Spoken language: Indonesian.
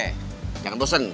eh jangan dosen